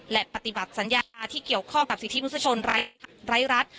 และปฏิบัติสัญญาอาที่เกี่ยวข้องกับสิทธิมนุษยชนไร้รัฐ